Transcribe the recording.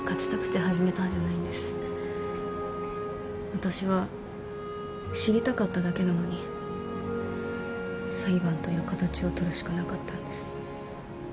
私は知りたかっただけなのに裁判という形を取るしかなかったんです。